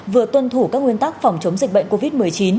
vừa tuân thủ các nguyên tắc phòng chống dịch bệnh covid một mươi chín